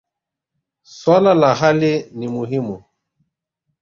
Swala la hali ni muhimu.